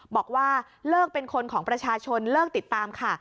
บอกว่าเลิกเป็นคนของประชาชนเลิกติดตามค่ะ